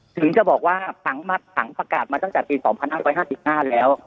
ถึงจะบอกว่าถังมัดถังประกาศมาตั้งแต่ปี๒๕๕๕แล้ว